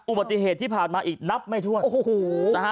อุบัติเหตุที่ผ่านมาอีกนับไม่ถ้วนโอ้โหนะฮะ